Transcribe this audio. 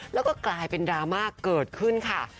แล้วก็กลายเป็นดราม่าเกิดขึ้นค่ะ